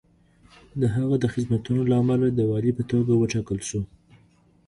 د هغه د خدمتونو له امله دی د والي په توګه وټاکل شو.